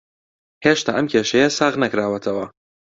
هێشتا ئەم کێشەیە ساغ نەکراوەتەوە